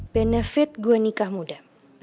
benefit gue nikah muda